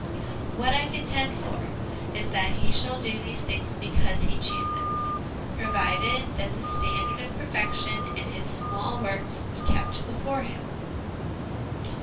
What I contend for is that he shall do these things because he chooses (provided that the 13 IQ4 HOME EDUCATION standard of perfection in his small works be kept before him).